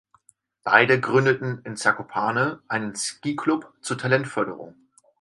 Beide gründeten in Zakopane einen Skiclub zur Talentförderung.